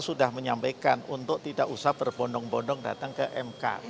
sudah menyampaikan untuk tidak usah berbondong bondong datang ke mk